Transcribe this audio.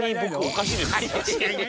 おかしいですよね？